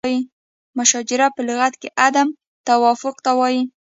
مشاجره په لغت کې عدم توافق ته وایي.